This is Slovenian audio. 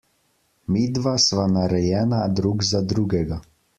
Midva sva narejena drug za drugega!